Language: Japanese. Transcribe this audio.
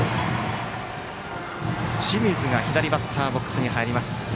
清水が左バッターボックスに入ります。